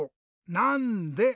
「なんで？」。